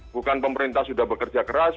bukan pemerintah sudah bekerja keras